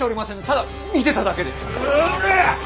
ただ見てただけで。